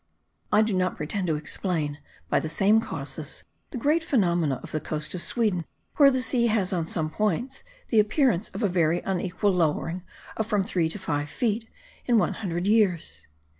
*(* I do not pretend to explain, by the same causes, the great phenomena of the coast of Sweden, where the sea has, on some points, the appearance of a very unequal lowering of from three to five feet in one hundred years.